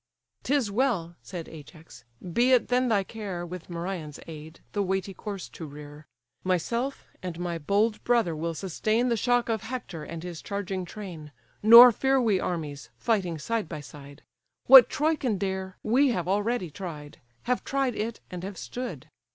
"'Tis well (said Ajax), be it then thy care, With Merion's aid, the weighty corse to rear; Myself, and my bold brother will sustain The shock of Hector and his charging train: Nor fear we armies, fighting side by side; What Troy can dare, we have already tried, Have tried it, and have stood."